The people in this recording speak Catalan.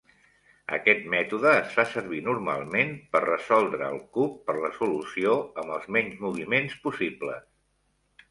Aquest mètode es fa servir normalment per resoldre el cub per la solució amb els menys moviments possibles.